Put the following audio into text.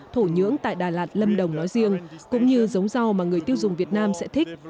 thổ nhưỡng tại đà lạt lâm đồng nói riêng cũng như giống rau mà người tiêu dùng việt nam sẽ thích